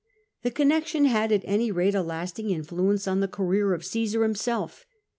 The connection had, at any rate, a lasting influence on the career of Csesar himself.